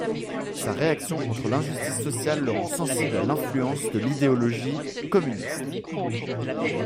Sa réaction contre l'injustice sociale le rend sensible à l'influence de l'idéologie communiste.